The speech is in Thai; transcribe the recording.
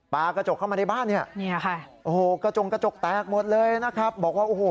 ปลากระจกเข้ามาในบ้านเนี่ยเนี่ยค่ะโอ้โหกระจงกระจกแตกหมดเลยนะครับบอกว่าโอ้โห